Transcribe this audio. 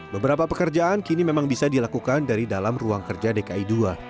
beberapa pekerjaan kini memang bisa dilakukan dari dalam ruang kerja dki ii